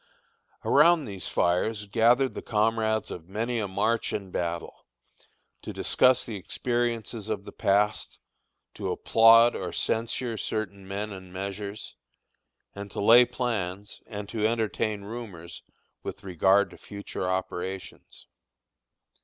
Around these fires gathered the comrades of many a march and battle, to discuss the experiences of the past, to applaud or censure certain men and measures, and to lay plans, and to entertain rumors with regard to future operations.